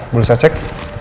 boleh saya cek